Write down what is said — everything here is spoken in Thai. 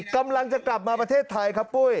กำลังจะกลับมาประเทศไทยครับปุ้ย